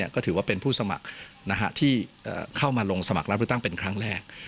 ก็ถือว่าเป็นผู้สมัครที่เข้ามาลงสมัครรับเลือกตั้งเป็นครั้งแรก